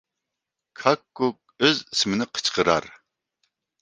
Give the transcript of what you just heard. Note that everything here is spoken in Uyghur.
كاككۇك ئۆز ئىسمىنى قىچقىرار.